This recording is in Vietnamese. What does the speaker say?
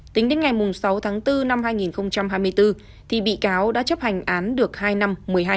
tính đến ngày sáu tháng bốn năm hai nghìn hai mươi bốn bị cáo đã chấp hành án được hai năm một mươi hai